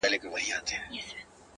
ښه پر بدوښه هغه دي قاسم یاره-